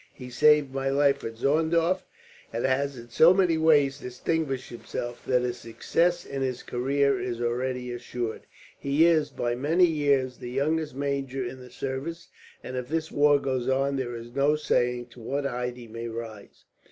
"He saved my life at Zorndorf, and has in so many ways distinguished himself that his success in his career is already assured. He is, by many years, the youngest major in the service; and if this war goes on, there is no saying to what height he may rise.